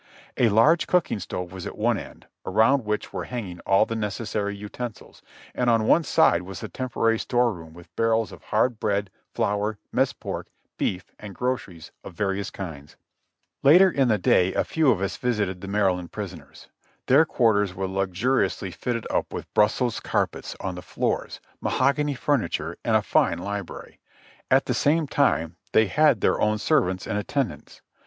A large cooking stove w^as at one end, around which were hanging all the necessary utensils, and on one side was the temporary store room wath barrels of hard bread, flour, mess pork, beef and groceries of various kinds. Later in the day a few of us visited the Maryland prisoners. Their quarters were luxuriously fitted up with Brussels carpets on the floors, mahogany furniture and a fine library ; at the same time they had their own servants in attendance.